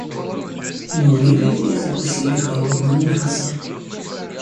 Мы выпили и закусили холодным мясом.